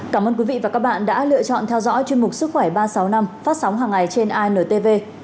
cảm ơn quý vị và các bạn đã lựa chọn theo dõi chương mục sức khỏe ba sáu năm phát sóng hàng ngày trên intv